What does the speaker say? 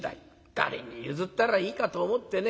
誰に譲ったらいいかと思ってね。